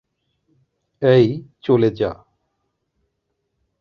এই, চলে যা।